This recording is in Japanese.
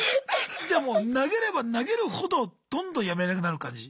じゃあもう投げれば投げるほどどんどんやめられなくなる感じ？